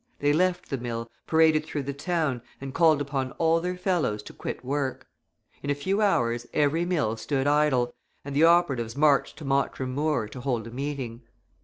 They left the mill, paraded through the town, and called upon all their fellows to quit work. In a few hours every mill stood idle, and the operatives marched to Mottram Moor to hold a meeting.